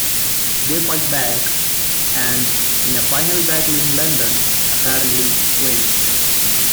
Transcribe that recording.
They fight back and, in a final battle in London, apparently win.